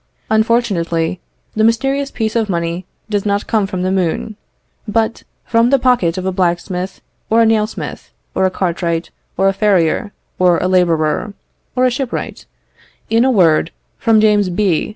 Unfortunately, the mysterious piece of money does not come from the moon, but from the pocket of a blacksmith, or a nail smith, or a cartwright, or a farrier, or a labourer, or a shipwright; in a word, from James B.